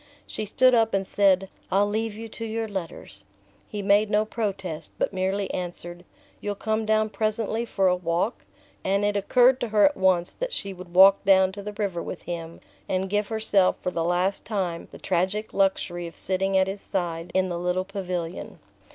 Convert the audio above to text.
She stood up and said: "I'll leave you to your letters." He made no protest, but merely answered: "You'll come down presently for a walk?" and it occurred to her at once that she would walk down to the river with him, and give herself for the last time the tragic luxury of sitting at his side in the little pavilion.